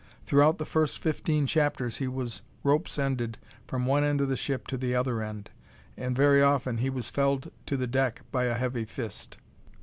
Throughout the first fifteen chapters he was rope's ended from one end of the ship to the other end, and very often he was felled to the deck by a heavy fist.